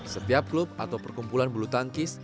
setiap klub atau perkumpulan bulu tangkis